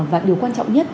và điều quan trọng nhất